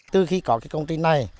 từ khi có cái công ty này